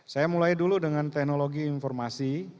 saya mulai dulu dengan teknologi informasi